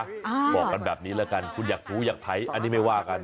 บอกกันแบบนี้แล้วกันคุณอยากถูอยากไถอันนี้ไม่ว่ากัน